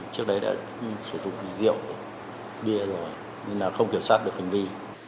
trước đấy đã sử dụng rượu bia rồi nên là không kiểm soát được hành vi